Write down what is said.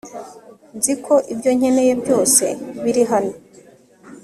Nzi ko ibyo nkeneye byose biri hano